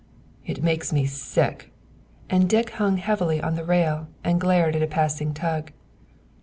"It makes me sick!" and Dick hung heavily on the rail and glared at a passing tug.